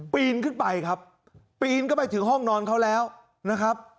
ปีนขึ้นไปครับปีนขึ้นไปถึงห้องนอนเขาแล้วนะครับ